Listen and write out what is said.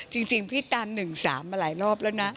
จริงพี่ตาม๑๓มาหลายรอบแล้วนะ